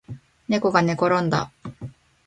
ねこがねころんだ